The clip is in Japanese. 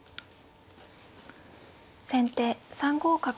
先手３五角。